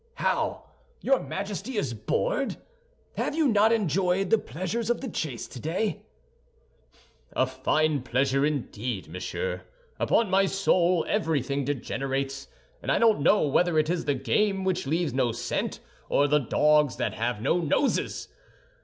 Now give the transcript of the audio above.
"How! Your Majesty is bored? Have you not enjoyed the pleasures of the chase today?" "A fine pleasure, indeed, monsieur! Upon my soul, everything degenerates; and I don't know whether it is the game which leaves no scent, or the dogs that have no noses.